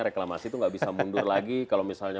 reklamasi itu nggak bisa mundur lagi kalau misalnya